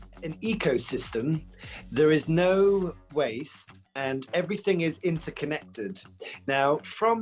sebagai ekosistem tidak ada gaya hidup dan semuanya terkait